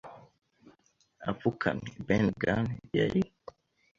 apfukamye. “Ben Gunn yari!”